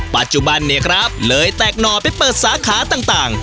ปัจจุบันเนี่ยครับเลยแตกหน่อไปเปิดสาขาต่าง